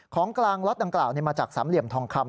ของกลางล็อตดังกล่าวมาจากสามเหลี่ยมทองคำ